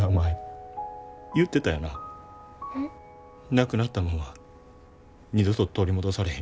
なくなったもんは二度と取り戻されへん。